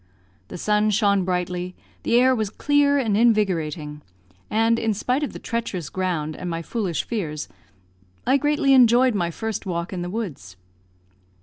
The sun shone brightly, the air was clear and invigorating, and, in spite of the treacherous ground and my foolish fears, I greatly enjoyed my first walk in the woods.